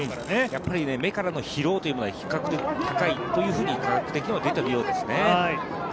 やっぱり目からの疲労というのは比較的高いと科学的にも出ているようですね。